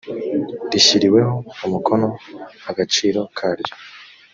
rishyiriweho umukono agaciro karyo